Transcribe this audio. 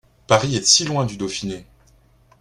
Paris est si loin du Dauphiné !